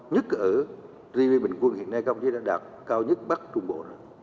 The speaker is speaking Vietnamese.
nhất ở gddp bình quân hiện nay các đồng chí đã đạt cao nhất bắc trung bộ